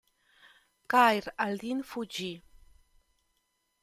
Khayr al-Din fuggì.